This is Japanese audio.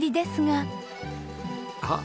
あっ！